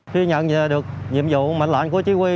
khi nhận được nhiệm vụ mệnh lệnh của chỉ huy